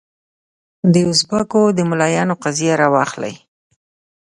دوزبکو د ملایانو قضیه راواخلې.